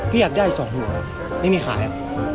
พี่อยากได้สวนหัวไม่มีขายอ่ะ